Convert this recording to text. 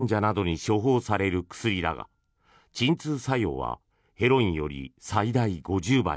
フェンタニルはがん患者などに処方される薬だが鎮痛作用はヘロインより最大５０倍。